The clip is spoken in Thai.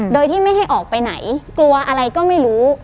โดยที่ไม่ให้ออกไปไหนกลัวอะไรก็ไม่รู้